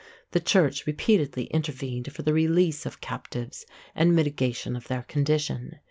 The Church repeatedly intervened for the release of captives and mitigation of their condition.